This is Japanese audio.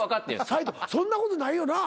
斉藤そんなことないよな？